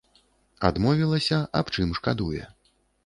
Адмовілася, аб чым шкадуе.